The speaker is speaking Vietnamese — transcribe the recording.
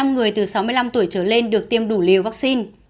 chín mươi hai người từ sáu mươi năm tuổi trở lên được tiêm đủ liều vaccine